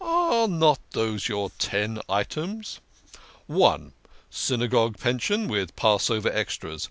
" Are not these your ten items? " s. d. 1. Synagogue Pension, with Passover extras